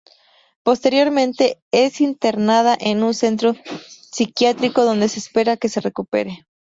Posteriormente, es internada en un centro psiquiátrico, donde se espera que se recupere.